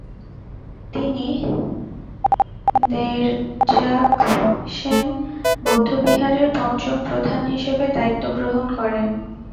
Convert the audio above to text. তিনি র্দ্জোগ্স-ছেন বৌদ্ধবিহারের পঞ্চম প্রধান হিসেবে দায়িত্ব গ্রহণ করেন।